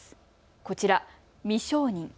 こちら、未承認。